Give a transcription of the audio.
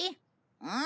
うん？